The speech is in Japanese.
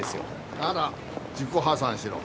なら自己破産しろ。